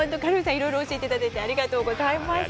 いろいろ教えていただいてありがとうございました。